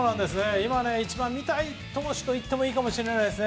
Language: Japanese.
今、一番見たい投手といってもいいかもしれないです。